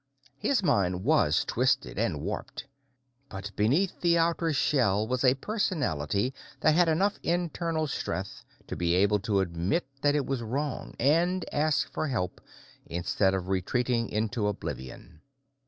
His mind was twisted and warped, but beneath the outer shell was a personality that had enough internal strength to be able to admit that it was wrong and ask for help instead of retreating into oblivion.